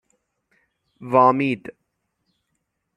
وامید